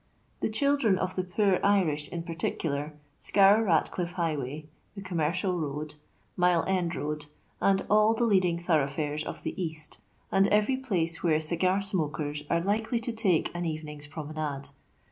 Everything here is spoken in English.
The children of the poor Irish, in particular, scour Rate! iff high way, the Conimerelal road, Mile end road, and all the leading thoroughfares of the East, and every place where cigar snrokers are likely to take an evening^s promenade.